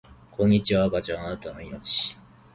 こんにちは赤ちゃんあなたの生命